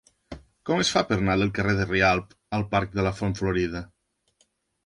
Com es fa per anar del carrer de Rialb al parc de la Font Florida?